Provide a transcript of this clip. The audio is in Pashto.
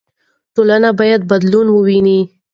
ټولنه به بدلون وویني.